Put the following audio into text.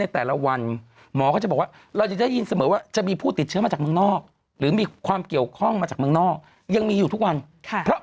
ถูกต้องไหมครับ